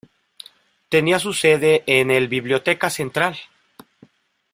Tenía su sede en el biblioteca central.